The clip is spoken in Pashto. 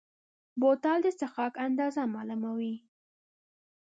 بوتل د څښاک اندازه معلوموي.